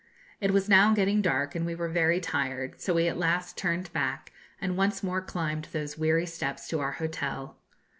It was now getting dark, and we were very tired; so we at last turned back, and once more climbed those weary steps to our hotel.